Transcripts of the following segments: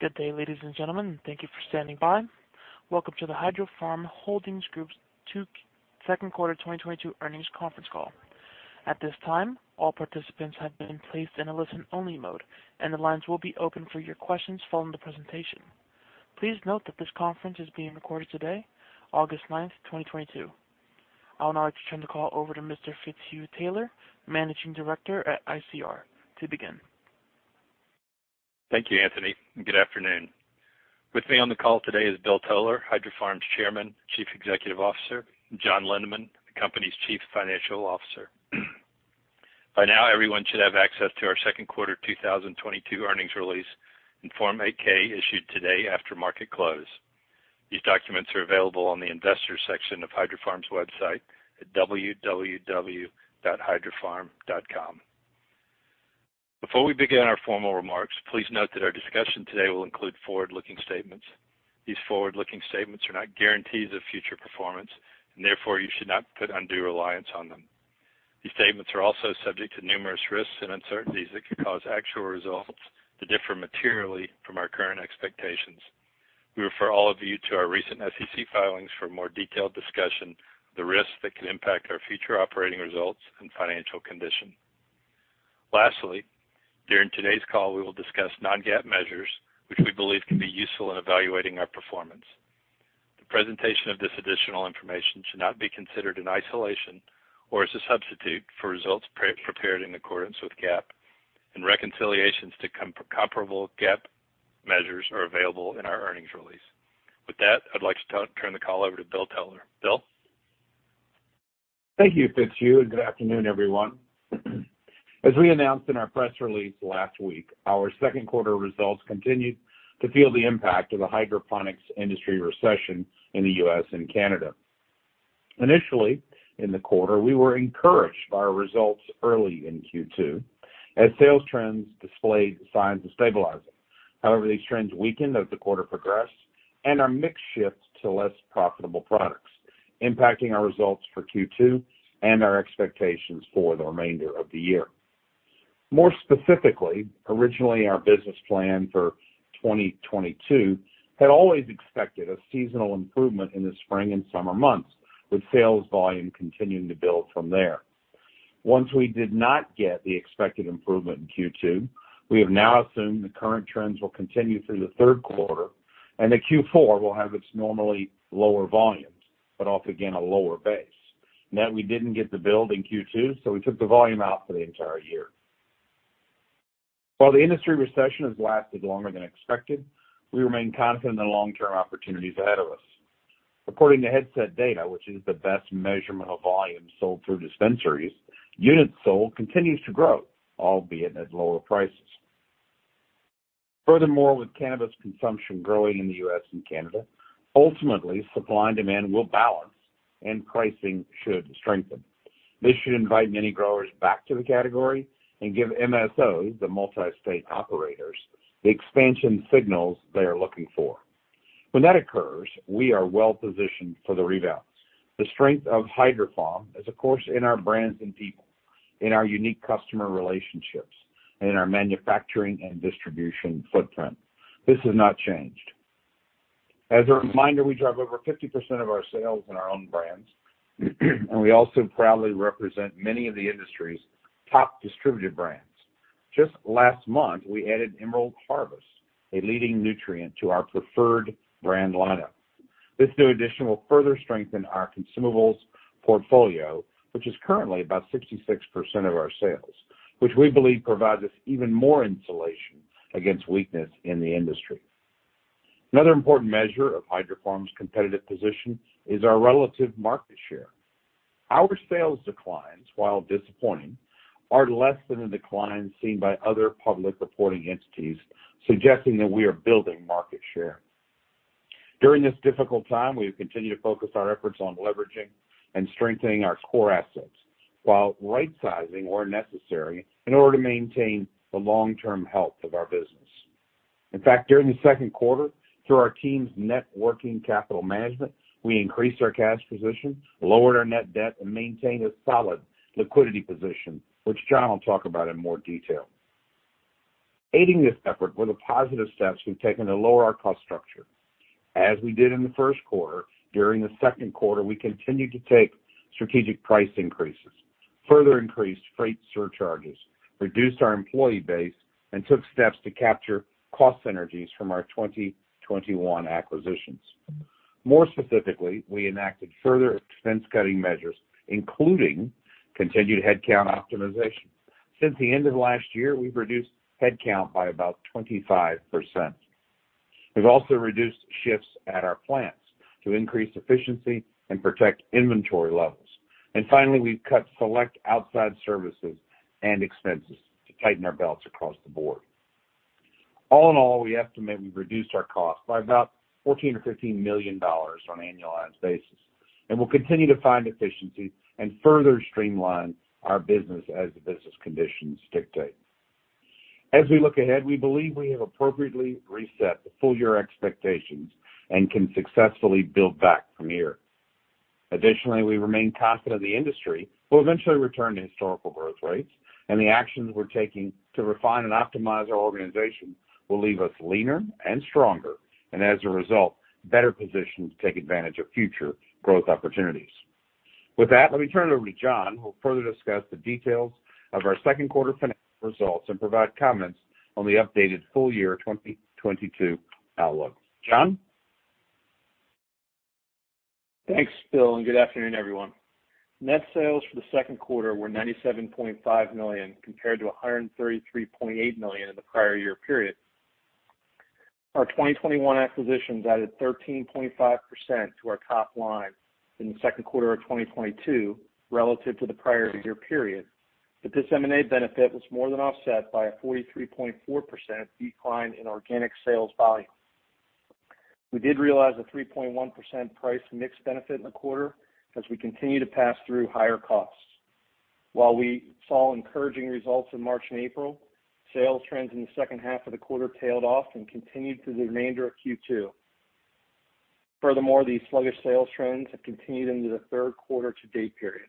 Good day, ladies and gentlemen, and thank you for standing by. Welcome to the Hydrofarm Holdings Group's second quarter 2022 earnings conference call. At this time, all participants have been placed in a listen-only mode, and the lines will be open for your questions following the presentation. Please note that this conference is being recorded today, August 9th, 2022. I would now like to turn the call over to Mr. Fitzhugh Taylor, Managing Director at ICR, to begin. Thank you, Anthony, and good afternoon. With me on the call today is Bill Toler, Hydrofarm's Chairman and Chief Executive Officer, and John Lindeman, the company's Chief Financial Officer. By now, everyone should have access to our second quarter 2022 earnings release and Form 8-K issued today after market close. These documents are available on the investors section of Hydrofarm's website at www.hydrofarm.com. Before we begin our formal remarks, please note that our discussion today will include forward-looking statements. These forward-looking statements are not guarantees of future performance, and therefore, you should not put undue reliance on them. These statements are also subject to numerous risks and uncertainties that could cause actual results to differ materially from our current expectations. We refer all of you to our recent SEC filings for a more detailed discussion of the risks that could impact our future operating results and financial condition. Lastly, during today's call, we will discuss Non-GAAP measures, which we believe can be useful in evaluating our performance. The presentation of this additional information should not be considered in isolation or as a substitute for results prepared in accordance with GAAP and reconciliations to comparable GAAP measures are available in our earnings release. With that, I'd like to turn the call over to Bill Toler. Bill? Thank you, Fitzhugh, and good afternoon, everyone. As we announced in our press release last week, our second quarter results continued to feel the impact of the hydroponics industry recession in the U.S. and Canada. Initially, in the quarter, we were encouraged by our results early in Q2 as sales trends displayed signs of stabilizing. However, these trends weakened as the quarter progressed and our mix shifts to less profitable products, impacting our results for Q2 and our expectations for the remainder of the year. More specifically, originally, our business plan for 2022 had always expected a seasonal improvement in the spring and summer months, with sales volume continuing to build from there. Once we did not get the expected improvement in Q2, we have now assumed the current trends will continue through the third quarter, and the Q4 will have its normally lower volumes, but off, again, a lower base. Now we didn't get the build in Q2, so we took the volume out for the entire year. While the industry recession has lasted longer than expected, we remain confident in the long-term opportunities ahead of us. According to Headset data, which is the best measurement of volume sold through dispensaries, units sold continues to grow, albeit at lower prices. Furthermore, with cannabis consumption growing in the U.S. and Canada, ultimately, supply and demand will balance, and pricing should strengthen. This should invite many growers back to the category and give MSOs, the multi-state operators, the expansion signals they are looking for. When that occurs, we are well-positioned for the rebalance. The strength of Hydrofarm is, of course, in our brands and people, in our unique customer relationships, and in our manufacturing and distribution footprint. This has not changed. As a reminder, we drive over 50% of our sales in our own brands, and we also proudly represent many of the industry's top distributed brands. Just last month, we added Emerald Harvest, a leading nutrient, to our preferred brand lineup. This new addition will further strengthen our consumables portfolio, which is currently about 66% of our sales, which we believe provides us even more insulation against weakness in the industry. Another important measure of Hydrofarm's competitive position is our relative market share. Our sales declines, while disappointing, are less than the declines seen by other public reporting entities, suggesting that we are building market share. During this difficult time, we have continued to focus our efforts on leveraging and strengthening our core assets while right-sizing where necessary in order to maintain the long-term health of our business. In fact, during the second quarter, through our team's net working capital management, we increased our cash position, lowered our net debt, and maintained a solid liquidity position, which John will talk about in more detail. Aiding this effort were the positive steps we've taken to lower our cost structure. As we did in the first quarter, during the second quarter, we continued to take strategic price increases, further increased freight surcharges, reduced our employee base, and took steps to capture cost synergies from our 2021 acquisitions. More specifically, we enacted further expense-cutting measures, including continued headcount optimization. Since the end of last year, we've reduced headcount by about 25%. We've also reduced shifts at our plants to increase efficiency and protect inventory levels. Finally, we've cut select outside services and expenses to tighten our belts across the board. All in all, we estimate we've reduced our costs by about $14 million-$15 million on an annualized basis, and we'll continue to find efficiencies and further streamline our business as the business conditions dictate. As we look ahead, we believe we have appropriately reset the full-year expectations and can successfully build back from here. Additionally, we remain confident the industry will eventually return to historical growth rates, and the actions we're taking to refine and optimize our organization will leave us leaner and stronger, and as a result, better positioned to take advantage of future growth opportunities. With that, let me turn it over to John, who will further discuss the details of our second quarter financial results and provide comments on the updated full year 2022 outlook. John? Thanks, Bill, and good afternoon, everyone. Net sales for the second quarter were $97.5 million compared to $133.8 million in the prior year period. Our 2021 acquisitions added 13.5% to our top line in the second quarter of 2022 relative to the prior year period, but this M&A benefit was more than offset by a 43.4% decline in organic sales volume. We did realize a 3.1% price mix benefit in the quarter as we continue to pass through higher costs. While we saw encouraging results in March and April, sales trends in the second half of the quarter tailed off and continued through the remainder of Q2. Furthermore, these sluggish sales trends have continued into the third quarter to date period.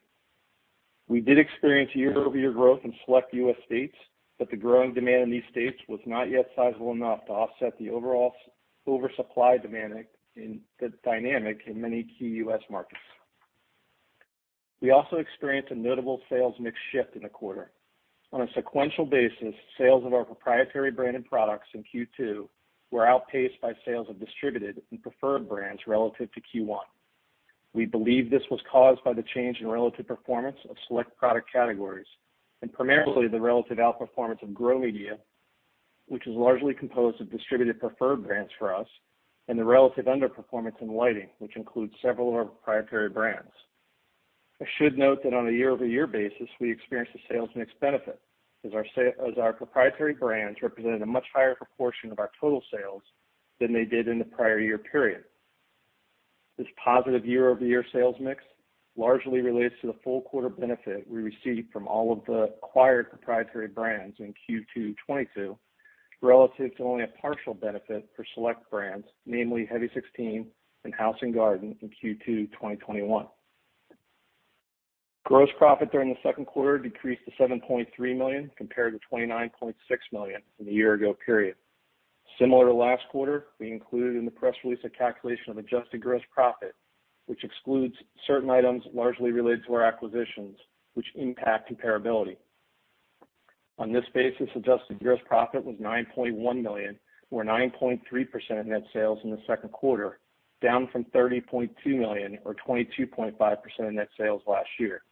We did experience year-over-year growth in select U.S. states, but the growing demand in these states was not yet sizable enough to offset the overall supply-demand dynamic in many key U.S. markets. We also experienced a notable sales mix shift in the quarter. On a sequential basis, sales of our proprietary branded products in Q2 were outpaced by sales of distributed and preferred brands relative to Q1. We believe this was caused by the change in relative performance of select product categories, and primarily the relative outperformance of grow media, which is largely composed of distributed preferred brands for us, and the relative underperformance in lighting, which includes several of our proprietary brands. I should note that on a year-over-year basis, we experienced a sales mix benefit as our proprietary brands represented a much higher proportion of our total sales than they did in the prior year period. This positive year-over-year sales mix largely relates to the full quarter benefit we received from all of the acquired proprietary brands in Q2 2022 relative to only a partial benefit for select brands, namely Heavy 16 and House & Garden in Q2 2021. Gross profit during the second quarter decreased to $7.3 million compared to $29.6 million from the year ago period. Similar to last quarter, we included in the press release a calculation of adjusted gross profit, which excludes certain items largely related to our acquisitions, which impact comparability. On this basis, adjusted gross profit was $9.1 million or 9.3% of net sales in the second quarter, down from $30.2 million or 22.5% of net sales last year.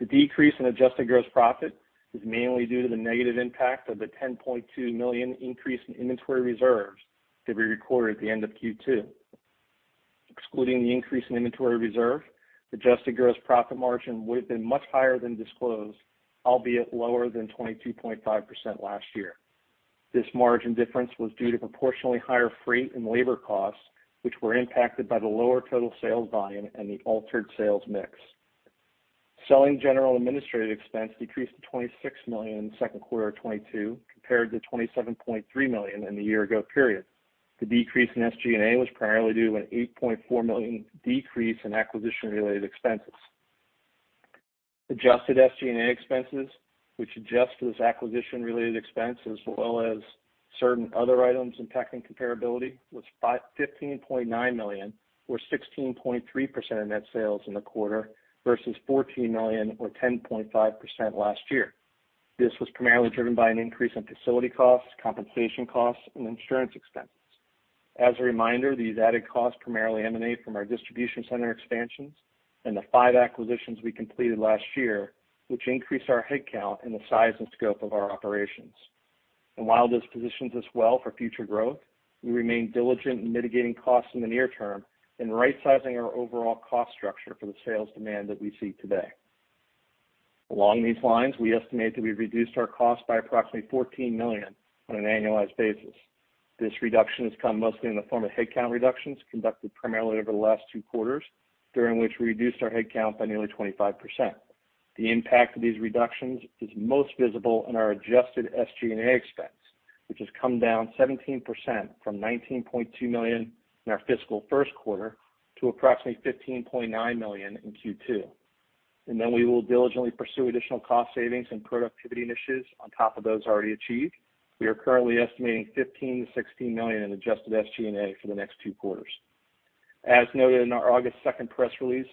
The decrease in adjusted gross profit is mainly due to the negative impact of the $10.2 million increase in inventory reserves that we recorded at the end of Q2. Excluding the increase in inventory reserve, adjusted gross profit margin would have been much higher than disclosed, albeit lower than 22.5% last year. This margin difference was due to proportionally higher freight and labor costs, which were impacted by the lower total sales volume and the altered sales mix. Selling general administrative expense decreased to $26 million in the second quarter of 2022 compared to $27.3 million in the year ago period. The decrease in SG&A was primarily due to an $8.4 million decrease in acquisition-related expenses. Adjusted SG&A expenses, which adjust for this acquisition-related expense as well as certain other items impacting comparability, was 51.9 million or 16.3% of net sales in the quarter versus $14 million or 10.5% last year. This was primarily driven by an increase in facility costs, compensation costs, and insurance expenses. As a reminder, these added costs primarily emanate from our distribution center expansions and the five acquisitions we completed last year, which increased our headcount and the size and scope of our operations. While this positions us well for future growth, we remain diligent in mitigating costs in the near term and rightsizing our overall cost structure for the sales demand that we see today. Along these lines, we estimate that we've reduced our cost by approximately $14 million on an annualized basis. This reduction has come mostly in the form of headcount reductions conducted primarily over the last two quarters, during which we reduced our headcount by nearly 25%. The impact of these reductions is most visible in our adjusted SG&A expense, which has come down 17% from $19.2 million in our fiscal first quarter to approximately $15.9 million in Q2. We will diligently pursue additional cost savings and productivity initiatives on top of those already achieved. We are currently estimating $15 million-$16 million in adjusted SG&A for the next two quarters. As noted in our August 2nd press release,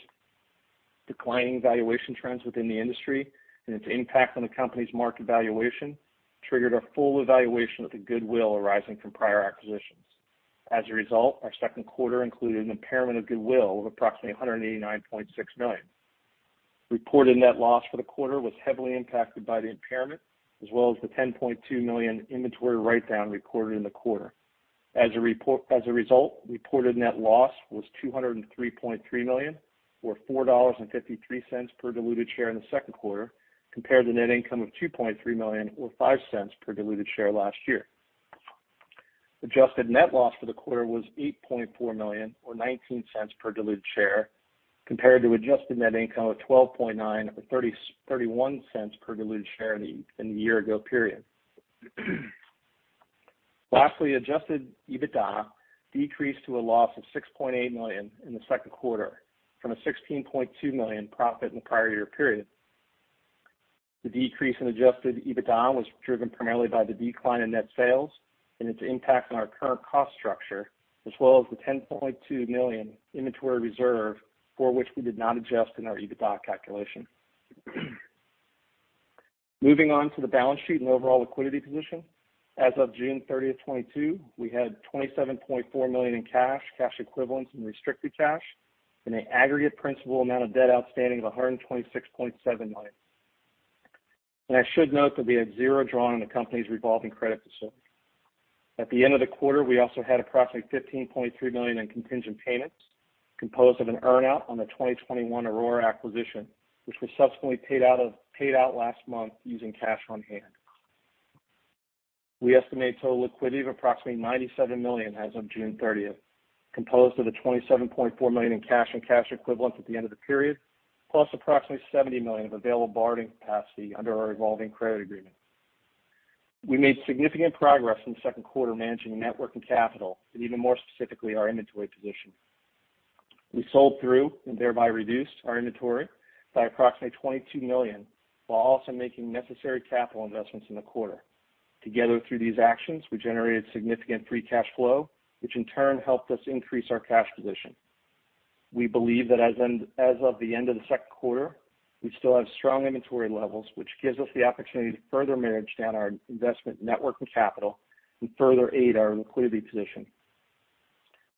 declining valuation trends within the industry and its impact on the company's market valuation triggered a full evaluation of the goodwill arising from prior acquisitions. As a result, our second quarter included an impairment of goodwill of approximately $189.6 million. Reported net loss for the quarter was heavily impacted by the impairment as well as the $10.2 million inventory write-down recorded in the quarter. As a result, reported net loss was $203.3 million or $4.53 per diluted share in the second quarter compared to net income of $2.3 million or $0.05 per diluted share last year. Adjusted net loss for the quarter was $8.4 million or $0.19 per diluted share compared to adjusted net income of $12.9 million or $0.31 per diluted share in the year ago period. Lastly, adjusted EBITDA decreased to a loss of $6.8 million in the second quarter from a $16.2 million profit in the prior year period. The decrease in adjusted EBITDA was driven primarily by the decline in net sales and its impact on our current cost structure, as well as the $10.2 million inventory reserve for which we did not adjust in our EBITDA calculation. Moving on to the balance sheet and overall liquidity position. As of June 30th, 2022, we had $27.4 million in cash equivalents, and restricted cash, and an aggregate principal amount of debt outstanding of $126.7 million. I should note that we had $0 drawn in the company's revolving credit facility. At the end of the quarter, we also had approximately $15.3 million in contingent payments, composed of an earn-out on the 2021 Aurora acquisition, which was subsequently paid out last month using cash on hand. We estimate total liquidity of approximately $97 million as of June 30th, 2022, composed of the $27.4 million in cash and cash equivalents at the end of the period, plus approximately $70 million of available borrowing capacity under our revolving credit agreement. We made significant progress in the second quarter managing net working capital and even more specifically, our inventory position. We sold through and thereby reduced our inventory by approximately $22 million, while also making necessary capital investments in the quarter. Together through these actions, we generated significant free cash flow, which in turn helped us increase our cash position. We believe that as of the end of the second quarter, we still have strong inventory levels, which gives us the opportunity to further manage down our investment network and capital and further aid our liquidity position.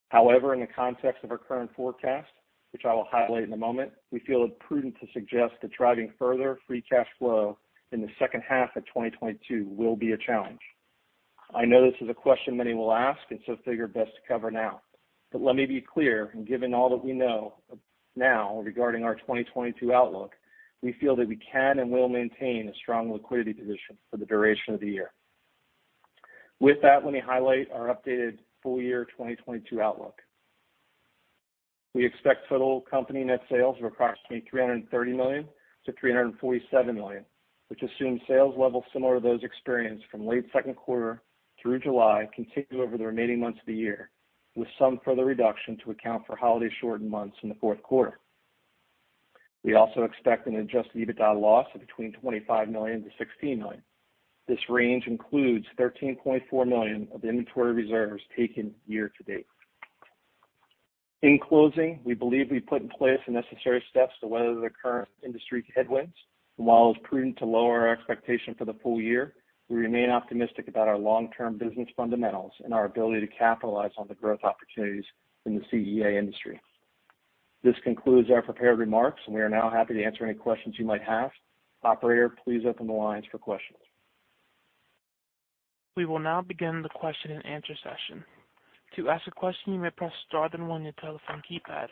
However, in the context of our current forecast, which I will highlight in a moment, we feel it prudent to suggest that driving further free cash flow in the second half of 2022 will be a challenge. I know this is a question many will ask and so figured best to cover now. Let me be clear, and given all that we know now regarding our 2022 outlook, we feel that we can and will maintain a strong liquidity position for the duration of the year. With that, let me highlight our updated full year 2022 outlook. We expect total company net sales of approximately $330 million-$347 million, which assumes sales levels similar to those experienced from late second quarter through July continue over the remaining months of the year, with some further reduction to account for holiday shortened months in the fourth quarter. We also expect an adjusted EBITDA loss of between $25 million-$16 million. This range includes $13.4 million of the inventory reserves taken year to date. In closing, we believe we put in place the necessary steps to weather the current industry headwinds, and while it's prudent to lower our expectation for the full year, we remain optimistic about our long-term business fundamentals and our ability to capitalize on the growth opportunities in the CEA industry. This concludes our prepared remarks, and we are now happy to answer any questions you might have. Operator, please open the lines for questions. We will now begin the question-and-answer session. To ask a question, you may press star then one on your telephone keypad.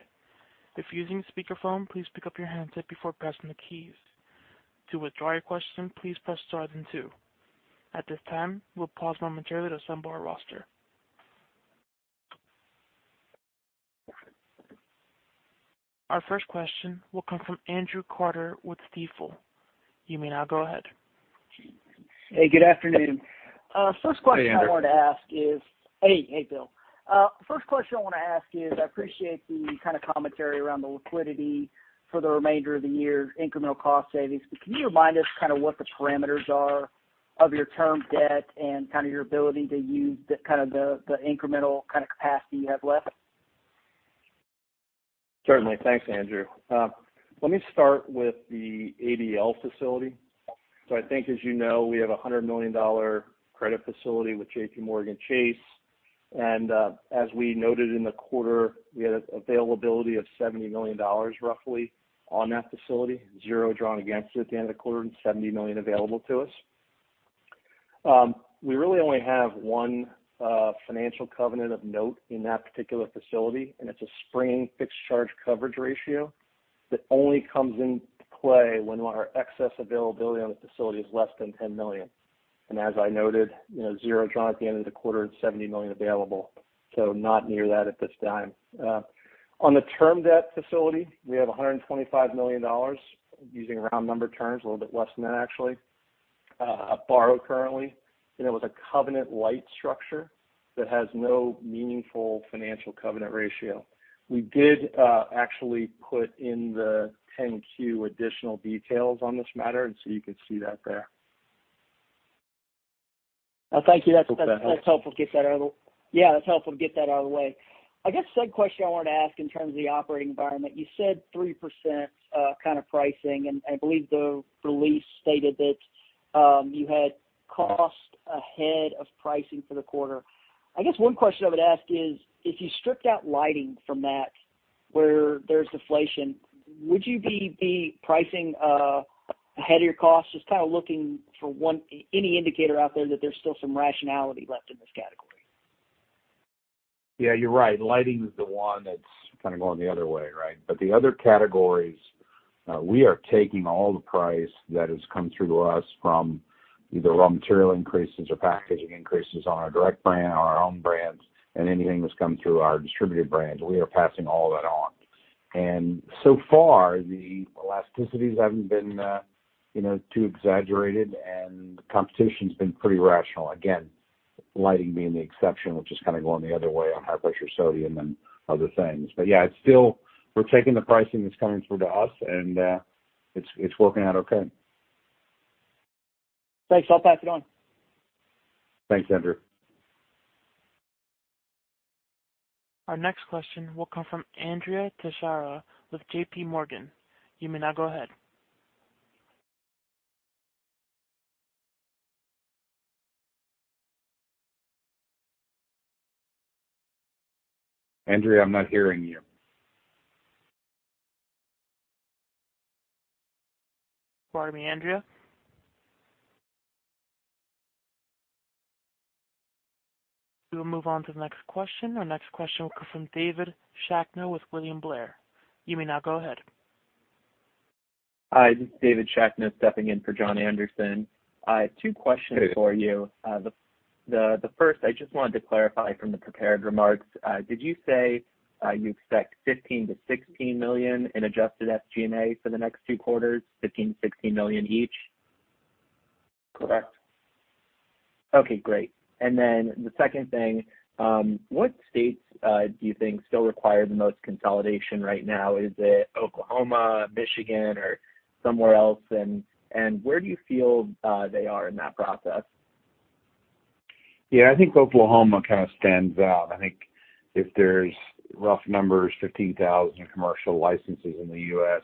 If using speakerphone, please pick up your handset before pressing the keys. To withdraw your question, please press star then two. At this time, we'll pause momentarily to assemble our roster. Our first question will come from Andrew Carter with Stifel. You may now go ahead. Hey, good afternoon. First question I want to ask is. Hey, Andrew. Hey. Hey, Bill. First question I wanna ask is, I appreciate the kind of commentary around the liquidity for the remainder of the year, incremental cost savings. Can you remind us kind of what the parameters are of your term debt and kind of your ability to use the kind of incremental kind of capacity you have left? Certainly. Thanks, Andrew. Let me start with the ABL facility. I think as you know, we have a $100 million credit facility with JPMorgan Chase. As we noted in the quarter, we had an availability of $70 million roughly on that facility, $0 drawn against it at the end of the quarter, and $70 million available to us. We really only have one financial covenant of note in that particular facility, and it's a springing fixed charge coverage ratio that only comes into play when our excess availability on the facility is less than $10 million. As I noted, $0 drawn at the end of the quarter and $70 million available, so not near that at this time. On the term debt facility, we have $125 million, using round number terms, a little bit less than that actually, borrowed currently, and it was a covenant-light structure that has no meaningful financial covenant ratio. We did actually put in the 10-Q additional details on this matter, so you could see that there. Thank you. That's helpful to get that out of the way. I guess second question I wanted to ask in terms of the operating environment, you said 3% kind of pricing, and I believe the release stated that you had costs ahead of pricing for the quarter. I guess one question I would ask is, if you stripped out lighting from that where there's deflation, would you be pricing ahead of your costs? Just kind of looking for any indicator out there that there's still some rationality left in this category. Yeah, you're right. Lighting is the one that's kind of going the other way, right? The other categories, we are taking all the price that has come through to us from either raw material increases or packaging increases on our direct brand or our own brands and anything that's come through our distributor brands. We are passing all that on. So far, the elasticities haven't been, you know, too exaggerated, and competition's been pretty rational. Again, lighting being the exception, which is kind of going the other way on high pressure sodium and other things. Yeah, it's still. We're taking the pricing that's coming through to us, and, it's working out okay. Thanks. I'll pass it on. Thanks, Andrew. Our next question will come from Andrea Teixeira with JPMorgan. You may now go ahead. Andrea, I'm not hearing you. Pardon me, Andrea? We will move on to the next question. Our next question will come from David Shakna with William Blair. You may now go ahead. Hi, this is David Shakna, stepping in for John Anderson. I have two questions for you. The first I just wanted to clarify from the prepared remarks. Did you say you expect $15 million-16 million in adjusted SG&A for the next two quarters? $15 million-16 million each? Correct. Okay, great. The second thing, what states do you think still require the most consolidation right now? Is it Oklahoma, Michigan, or somewhere else? Where do you feel they are in that process? Yeah, I think Oklahoma kind of stands out. I think if there's rough numbers, 15,000 commercial licenses in the U.S.,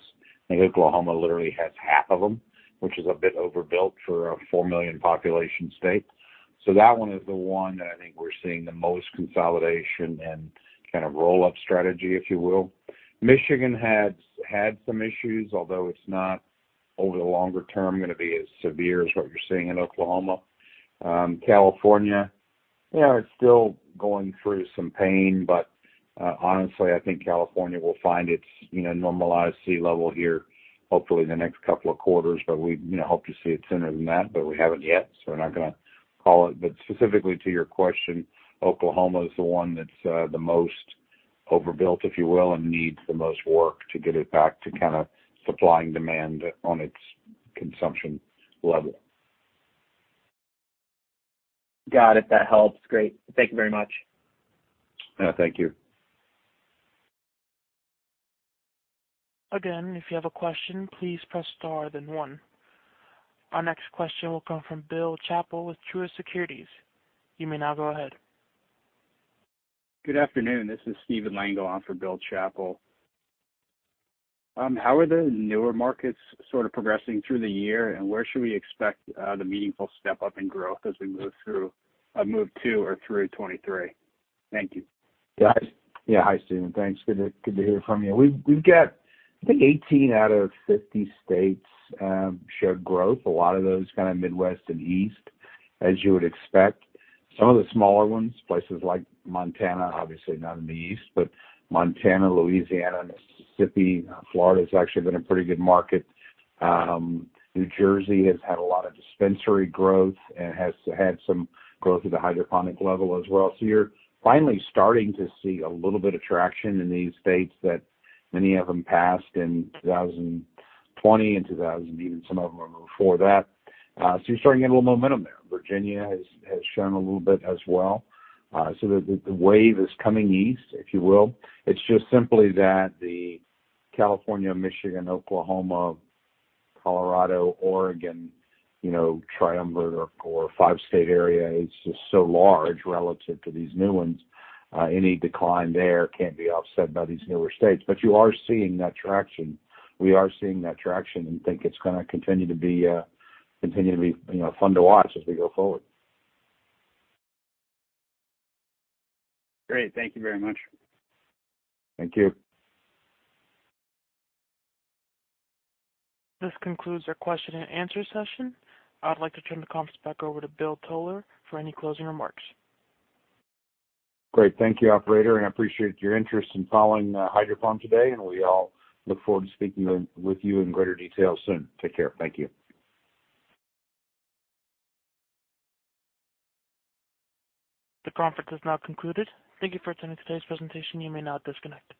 I think Oklahoma literally has half of them, which is a bit overbuilt for a four million population state. That one is the one that I think we're seeing the most consolidation and kind of roll-up strategy, if you will. Michigan has had some issues, although it's not, over the longer term, going to be as severe as what you're seeing in Oklahoma. California, you know, it's still going through some pain, but, honestly, I think California will find its, you know, normalized sea level here, hopefully in the next couple of quarters, but we'd, you know, hope to see it sooner than that. We haven't yet, so we're not gonna call it. Specifically to your question, Oklahoma is the one that's the most overbuilt, if you will, and needs the most work to get it back to kind of supply and demand on its consumption level. Got it. That helps. Great. Thank you very much. Yeah. Thank you. Again, if you have a question, please press star then one. Our next question will come from Bill Chappell with Truist Securities. You may now go ahead. Good afternoon. This is Stephen Lengel on for Bill Chappell. How are the newer markets sort of progressing through the year, and where should we expect the meaningful step up in growth as we move to or through 2023? Thank you. Yeah. Hi, Steven. Thanks. Good to hear from you. We've got, I think 18 states out of 50 states show growth. A lot of those kind of Midwest and East, as you would expect. Some of the smaller ones, places like Montana, obviously not in the East, but Montana, Louisiana, Mississippi. Florida's actually been a pretty good market. New Jersey has had a lot of dispensary growth and has had some growth at the hydroponic level as well. You're finally starting to see a little bit of traction in these states that many of them passed in 2020 and 2000, even some of them are before that. You're starting to get a little momentum there. Virginia has shown a little bit as well. The wave is coming east, if you will. It's just simply that the California, Michigan, Oklahoma, Colorado, Oregon, you know, triumvirate or five state area is just so large relative to these new ones. Any decline there can be offset by these newer states. You are seeing that traction. We are seeing that traction and think it's gonna continue to be, you know, fun to watch as we go forward. Great. Thank you very much. Thank you. This concludes our question and answer session. I'd like to turn the conference back over to Bill Toler for any closing remarks. Great. Thank you, operator, and I appreciate your interest in following Hydrofarm today, and we all look forward to speaking with you in greater detail soon. Take care. Thank you. The conference has now concluded. Thank you for attending today's presentation. You may now disconnect.